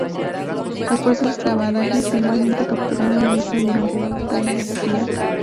Las fuerzas estadounidenses finalmente capturaron la isla durante la Batalla de Biak.